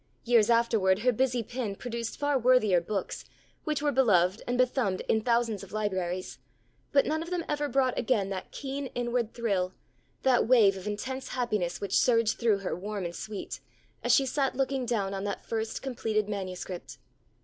Years afterward her busy pen produced far worthier books, which were beloved and bethumbed in thousands of libraries, but none of them ever brought again that keen inward thrill, that wave of intense happiness which surged through her warm and sweet, as she sat looking down on that first completed manuscript.